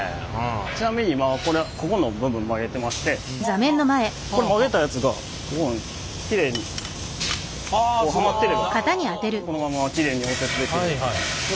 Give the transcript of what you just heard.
ちなみに今これここの部分曲げてまして曲げたやつがここにきれいにはまってればこのままきれいに溶接できるよっていう。